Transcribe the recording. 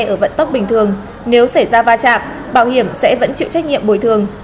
ở vận tốc bình thường nếu xảy ra va chạm bảo hiểm sẽ vẫn chịu trách nhiệm bồi thường